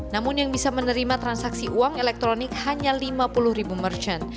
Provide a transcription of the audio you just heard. namun yang bisa menerima transaksi uang elektronik hanya lima puluh ribu merchant